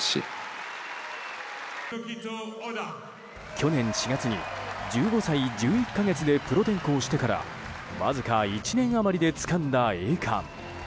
去年４月に１５歳１１か月でプロ転向してからわずか１年余りでつかんだ栄冠。